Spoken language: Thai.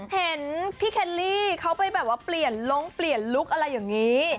เห็นพี่เคลลี่เขาไปแบบว่าเปลี่ยนลงเปลี่ยนลุคอะไรอย่างนี้